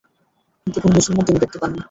কিন্তু কোন মুসলমান তিনি দেখতে পাননি।